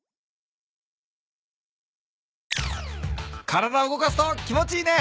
体を動かすと気持ちいいね！